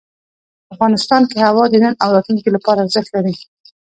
افغانستان کې هوا د نن او راتلونکي لپاره ارزښت لري.